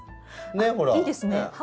いいですね。